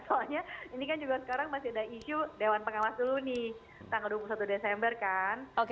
soalnya ini kan juga sekarang masih ada isu dewan pengawas dulu nih tanggal dua puluh satu desember kan